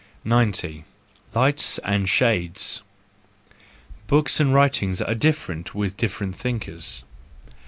90. Lights and Shades .—Books and writings are different with different thinkers.